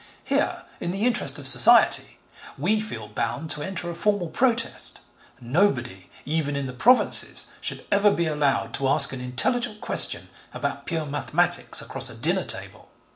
Here, in the interest of Society, we feel bound to enter a formal protest. Nobody, even in the provinces, should ever be allowed to ask an intelligent question about pure mathematics across a dinner table.